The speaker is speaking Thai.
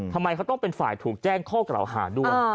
ทำไมเขาต้องเป็นฝ่ายถูกแจ้งข้อกล่าวหาด้วย